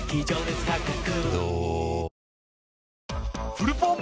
フルポン